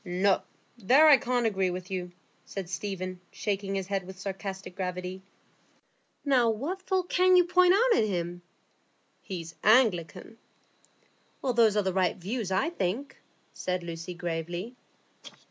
"No; there I can't agree with you," said Stephen, shaking his head with sarcastic gravity. "Now, what fault can you point out in him?" "He's an Anglican." "Well, those are the right views, I think," said Lucy, gravely.